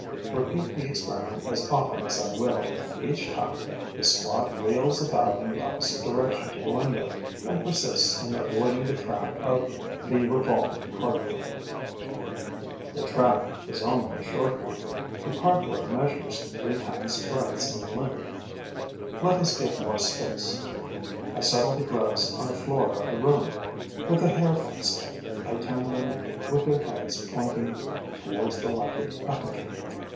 Repeat the experiment as often as I will, each time the squad wheels about in the opposite direction to the window and persists in avoiding the trap of the revolving cardboard. The track is only a short one: the cardboard measures three hand's breadths in length. Let us give more space. I settle the grubs on the floor of the room; with a hair pencil, I turn them with their heads pointing towards the lighted aperture.